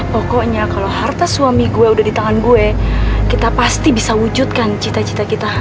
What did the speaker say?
pokoknya kalau harta suami gue udah di tangan gue kita pasti bisa wujudkan cita cita kita